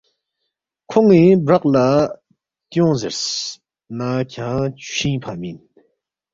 کھون٘ی برق لہ تیونگ زیرس نہ کھیانگ چھُوئِنگ فنگمی اِن